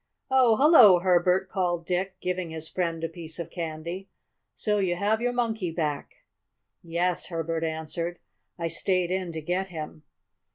"Oh, hello, Herbert!" called Dick, giving his friend a piece of candy. "So you have your Monkey back!" "Yes," Herbert answered. "I stayed in to get him."